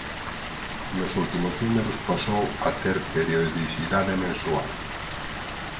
Nos últimos números pasou a ter periodicidade mensual.